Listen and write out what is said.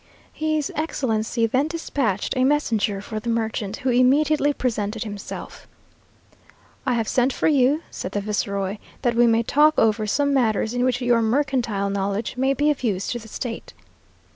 His Excellency then despatched a messenger for the merchant, who immediately presented himself. "I have sent for you," said the viceroy, "that we may talk over some matters in which your mercantile knowledge may be of use to the state."